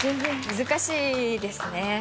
難しいですね。